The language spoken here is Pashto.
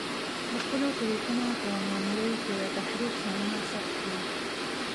د خپلو تلیفونو په میموریو کې د تحریک شعرونه ثبت کړي.